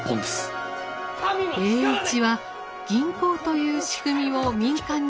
栄一は銀行という仕組みを民間に根づかせるため。